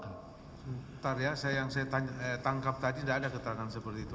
sebentar ya yang saya tangkap tadi tidak ada keterangan seperti itu